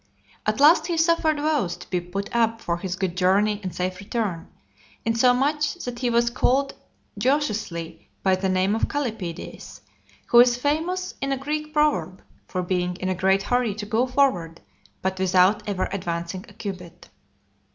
At last he suffered vows to be put up for his good journey and safe return, insomuch that he was called jocosely by the name of Callipides, who is famous in a Greek proverb, for being in a great hurry to go forward, but without ever advancing a cubit.